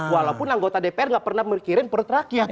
walaupun anggota dpr nggak pernah mikirin perut rakyat